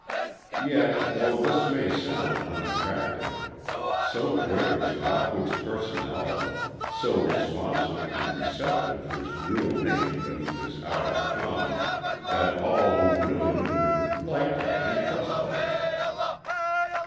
Yet, though this may sound unattractive, so great was Lockwood's personality, so responsive and receptive his real nature beneath his outer calm, that all who really knew him liked him and trusted him.